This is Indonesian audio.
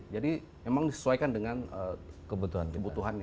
jadi memang disesuaikan dengan kebutuhannya